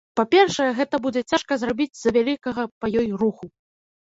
Па-першае, гэта будзе цяжка зрабіць з-за вялікага па ёй руху.